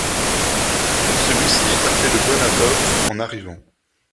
Celui-ci a fait le bon apôtre en arrivant.